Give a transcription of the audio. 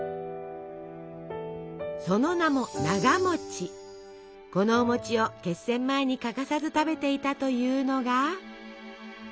その名もこのおを決戦前に欠かさず食べていたというのが。